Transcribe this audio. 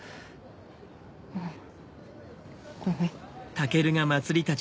うんごめん。